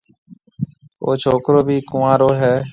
او ڇوڪرو ڀِي ڪنوارو هيَ۔